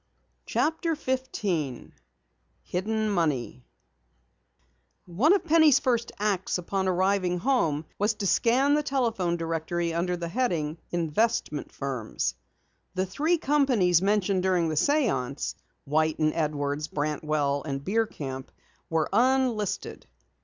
CHAPTER 15 HIDDEN MONEY One of Penny's first acts upon arriving home was to scan the telephone directory under the heading, Investment Firms. The three companies mentioned during the séance, White and Edwards, Brantwell, and Bierkamp, were unlisted.